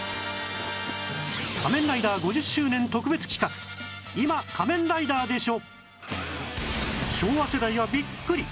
『仮面ライダー』５０周年特別企画「今仮面ライダーでしょ！」